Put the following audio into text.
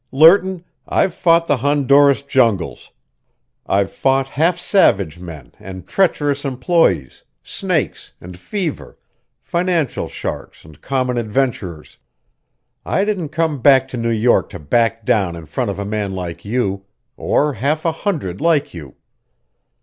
"Lerton, I've fought the Honduras jungles! I've fought half savage men and treacherous employees, snakes and fever, financial sharks and common adventurers. I didn't come back to New York to back down in front of a man like you or half a hundred like you.